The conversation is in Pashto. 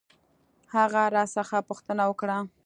هغه راڅخه پوښتنه وکړ.